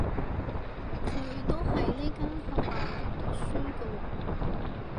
佢都喺呢間學校讀書㗎喎